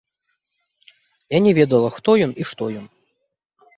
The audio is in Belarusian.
Я не ведала, хто ён і што ён.